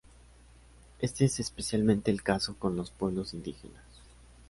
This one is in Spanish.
Este es especialmente el caso con los pueblos indígenas.